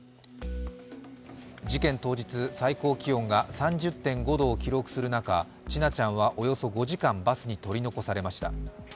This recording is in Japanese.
事件当日、最高気温が３０．５度を記録する中、千奈ちゃんはおよそ５時間バスに取り残されました。